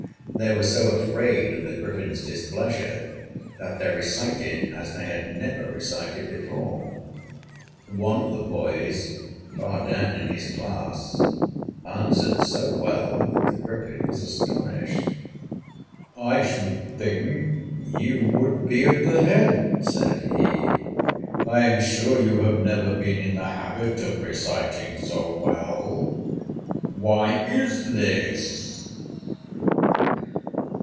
They were so afraid of the Griffin's displeasure that they recited as they had never recited before. One of the boys, far down in his class, answered so well that the Griffin was astonished. "I should think you would be at the head," said he. "I am sure you have never been in the habit of reciting so well. Why is this?"